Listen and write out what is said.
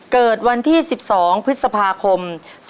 เกิดวันที่๑๒พฤษภาคม๒๕๖